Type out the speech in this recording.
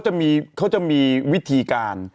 เขาจะมีวิธีการ